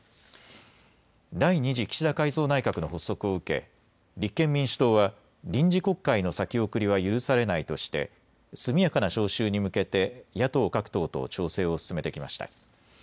第２次岸田改造内閣の発足を受け、立憲民主党は、臨時国会の先送りは許されないとして、速やかな召集に向けて、野党各党と調整を進めてきました。